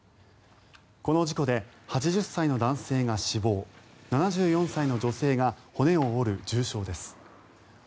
この事故で８０歳の男性が死亡７４歳の女性が骨を折る重傷です。